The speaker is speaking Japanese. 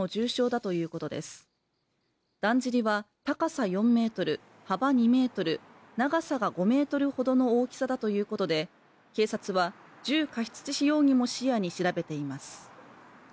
だんじりは高さ４ｍ幅２ｍ長さが５ｍほどの大きさだということで警察は重過失致死容疑も視野に調べています